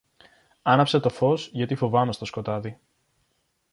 Άναψε το φως, γιατί φοβάμαι στο σκοτάδι.